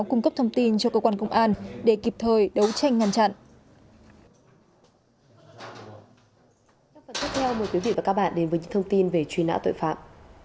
cung cấp thông tin cho cơ quan công an để kịp thời đấu tranh ngăn chặn